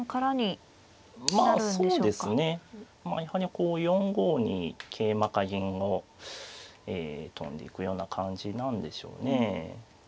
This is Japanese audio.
こう４五に桂馬か銀をとんでいくような感じなんでしょうね。